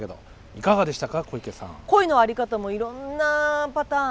いかがでした？